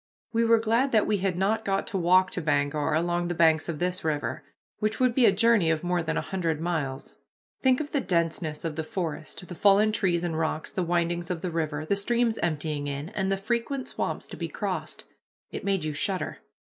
We were glad that we had not got to walk to Bangor along the banks of this river, which would be a journey of more than a hundred miles. Think of the denseness of the forest, the fallen trees and rocks, the windings of the river, the streams emptying in, and the frequent swamps to be crossed. It made you shudder.